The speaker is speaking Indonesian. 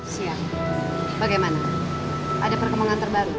siang bagaimana ada perkembangan terbaru